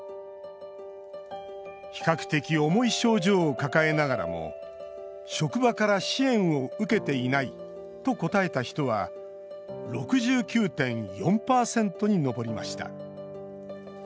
比較的重い症状を抱えながらも職場から「支援を受けていない」と答えた人は６９．４％に上りました。